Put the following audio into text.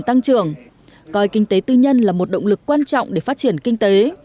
tăng trưởng coi kinh tế tư nhân là một động lực quan trọng để phát triển kinh tế